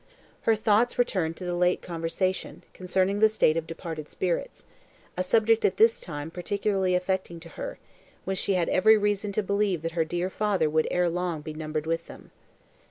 Her thoughts returned to the late conversation, concerning the state of departed spirits; a subject, at this time, particularly affecting to her, when she had every reason to believe that her dear father would ere long be numbered with them.